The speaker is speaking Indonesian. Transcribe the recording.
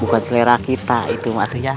bukan selera kita itu mah atunya